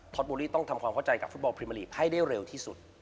โบรีต้องทำความเข้าใจกับฟุตบอลพรีเมอร์ลีกให้ได้เร็วที่สุด